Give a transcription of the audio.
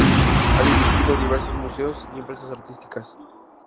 Ha dirigido diversos museos y empresas artísticas.